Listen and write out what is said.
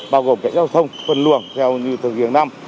bao gồm cảnh giao thông phân luồng theo như thực hiện năm